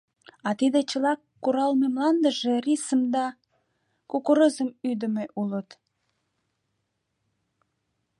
А тиде чыла куралме мландыже рисым да; кукурузым ӱдымӧ улыт.